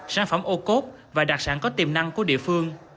sản phẩm ô cốt và đặc sản có tiềm năng của địa phương